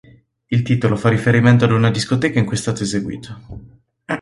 Il titolo fa riferimento ad una discoteca in cui è stato eseguito.